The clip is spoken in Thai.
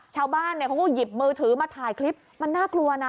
ชาวบ้านเนี่ยเขาก็หยิบมือถือมาถ่ายคลิปมันน่ากลัวนะ